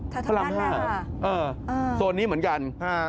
แถวทั้งนั้นนะคะโซนนี้เหมือนกัน